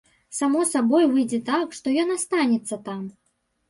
Само сабой выйдзе так, што ён астанецца там.